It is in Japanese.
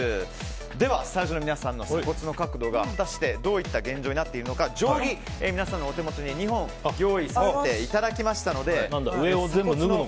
ではスタジオの皆さんの鎖骨の角度が果たしてどういった現状になっているのか定規を皆さんのお手元に２本上を全部脱ぐのかと思った。